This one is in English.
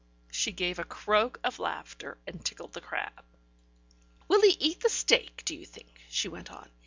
She gave a croak of laughter and tickled the crab. ... "Will he eat the steak, do you think?" she went on.